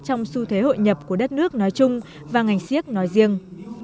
trong xu thế hội nhập của đất nước nói chung và ngành siếc nói riêng